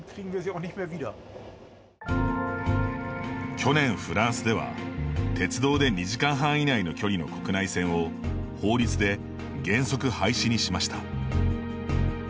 去年フランスでは、鉄道で２時間半以内の距離の国内線を法律で原則廃止にしました。